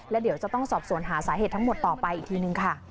แล้วลูกน้องมีลำกระช่วยช่วยให้ทัน